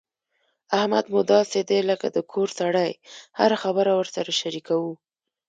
احمد مو داسې دی لکه د کور سړی هره خبره ورسره شریکوو.